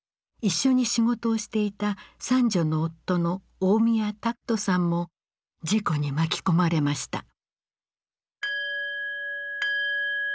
一緒に仕事をしていた三女の夫の大宮拓人さんも事故に巻き込まれました。